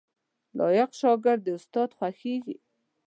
لايق شاګرد د استاد خوښیږي